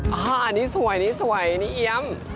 อ่าอันนี้สวยอันนี้เอียม